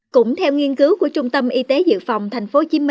cũng theo nghiên cứu của trung tâm y tế dự phòng tp hcm